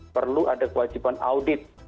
perlu ada kewajiban audit